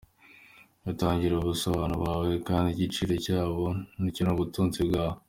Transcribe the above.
Utangira ubusa abantu bawe, Kandi igiciro cyabo ntucyongeresha ubutunzi bwawe.